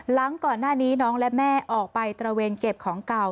หลังก่อนหน้านี้น้องและแม่ออกไปตระเวนเก็บของเก่า